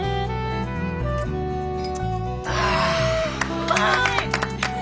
うまい！